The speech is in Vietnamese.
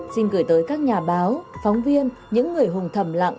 xin gửi tới các nhà báo phóng viên những người hùng thầm lặng